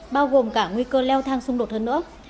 bao gồm cả nguy cơ leo thang xung đột hơn nữa